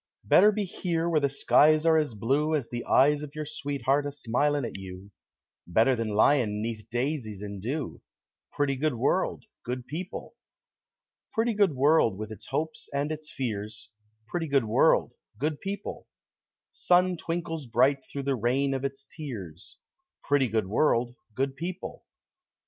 Better be here where the skies are as blue As the eyes of your sweetheart a smilin' at you Better than lyin' 'neath daisies and dew Pretty good world, good people! Pretty good world with its hopes and its fears Pretty good world, good people! Sun twinkles bright through the rain of its tears Pretty good world, good people!